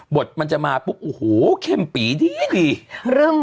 บทมันจะมาปุ๊บโอ้โหเข้มปีดีดีเริ่ม